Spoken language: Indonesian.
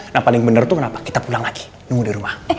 nah paling benar itu kenapa kita pulang lagi nunggu di rumah